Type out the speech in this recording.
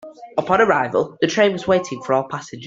Upon arrival, the train was waiting for all passengers.